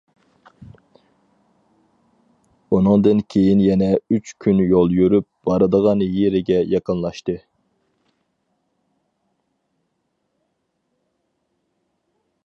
ئۇنىڭدىن كېيىن يەنە ئۈچ كۈن يول يۈرۈپ، بارىدىغان يېرىگە يېقىنلاشتى.